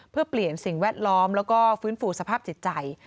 เพื่อเปลี่ยนสิ่งแวดล้อมแล้วก็ฟื้นฟูสภาพจิตใจ